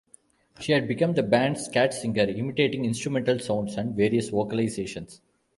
She had become the band's scat singer, imitating instrumental sounds and various vocalizations.